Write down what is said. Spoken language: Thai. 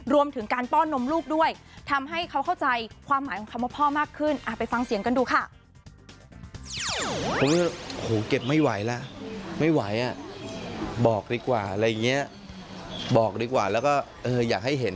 รวมถึงการป้อนนมลูกด้วยทำให้เขาเข้าใจความหมายของคำว่าพ่อมากขึ้น